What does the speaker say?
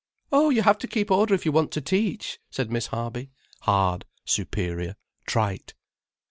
"Oh, you have to keep order if you want to teach," said Miss Harby, hard, superior, trite.